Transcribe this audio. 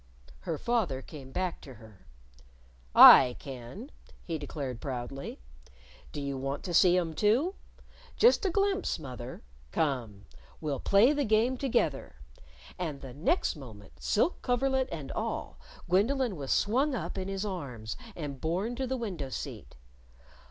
Her father came back to her. "I can," he declared proudly. "Do you want to see 'em, too? just a glimpse, mother! Come! We'll play the game together!" And the next moment, silk coverlet and all, Gwendolyn was swung up in his arms and borne to the window seat.